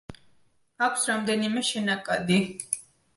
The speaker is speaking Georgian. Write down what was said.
აქვს რამდენიმე შენაკადი.